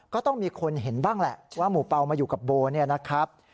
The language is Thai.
ก็ต้องมีคนเห็นบ้างแหละว่าหมู่เปล่ามาอยู่กับโบเนี่ยนะครับ